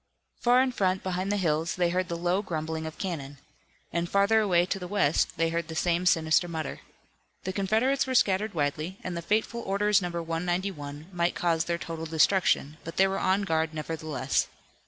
Far in front behind the hills they heard the low grumbling of cannon. And further away to the west they heard the same sinister mutter. The Confederates were scattered widely, and the fateful Orders No. 191 might cause their total destruction, but they were on guard, nevertheless.